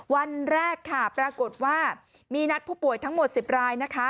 วันแรกค่ะปรากฏว่ามีนัดผู้ป่วยทั้งหมด๑๐รายนะคะ